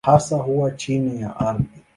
Hasa huwa chini ya ardhi.